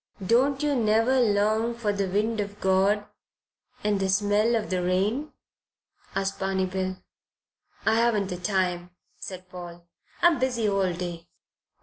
"Don't you never long for the wind of God and the smell of the rain?" asked Barney Bill. "I haven't the time," said Paul. "I'm busy all day long."